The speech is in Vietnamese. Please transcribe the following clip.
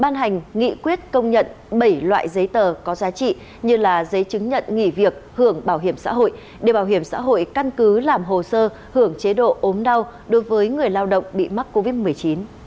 ban hành nghị quyết công nhận bảy loại giấy tờ có giá trị như là giấy chứng nhận nghỉ việc hưởng bảo hiểm xã hội để bảo hiểm xã hội căn cứ làm hồ sơ hưởng chế độ ốm đau đối với người lao động bị mắc covid một mươi chín